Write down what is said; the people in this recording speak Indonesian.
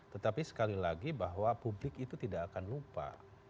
tetapi sekali lagi bahwa publik itu tidak akan lupa